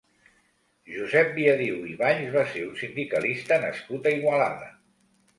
Josep Viadiu i Valls va ser un sindicalista nascut a Igualada.